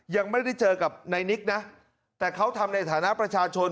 ยังไม่ได้เจอกับนายนิกนะแต่เขาทำในฐานะประชาชน